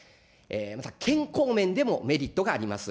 また健康面でもメリットがあります。